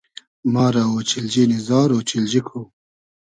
ما رۂ اۉچیلنی نی زار ، اۉچیلجی کو